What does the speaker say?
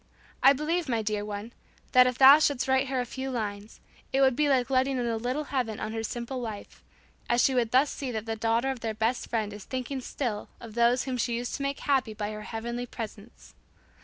I believe, my dear one, that if thou shouldst write her a few lines, it would be like letting in a little heaven on her simple life, as she would thus see that the daughter of their best friend is thinking still of those whom she used to make happy by her heavenly presence.